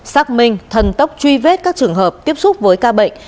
xác minh thần tốc truy vết các trường hợp tiếp xúc với ca bệnh